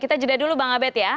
kita jeda dulu bang abed ya